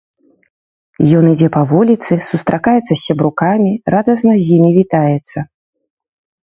Ён ідзе па вуліцы, сустракаецца з сябрукамі, радасна з імі вітаецца.